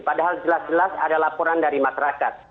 padahal jelas jelas ada laporan dari masyarakat